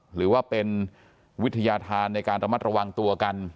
หรือว่าเป็นวิทยาธารในการระมัดระวังตัวกัน